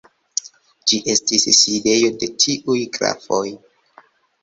Ĝi estis sidejo de tiuj grafoj.